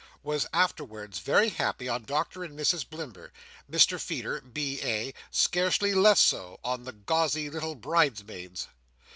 was afterwards very happy on Doctor and Mrs Blimber; Mr Feeder, B.A., scarcely less so, on the gauzy little bridesmaids.